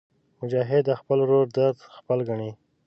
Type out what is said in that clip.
مجاهد د خپل ورور درد خپل ګڼي.